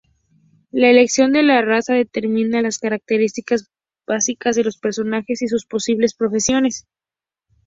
La elección de raza determina las características básicas del personajes y sus posibles profesiones.